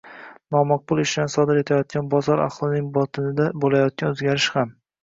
noma’qul ishlarni sodir etayotgan bozor ahlining botinida bo‘layotgan o‘zgarish ham...